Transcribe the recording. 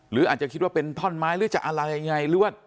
หรืออาจจะคิดว่าเป็นท่อนไม้หรือจะอะไรไง